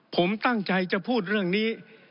ผมตั้งใจจะพูดเรื่องนี้